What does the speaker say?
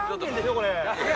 これ。